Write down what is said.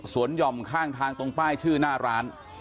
หย่อมข้างทางตรงป้ายชื่อหน้าร้าน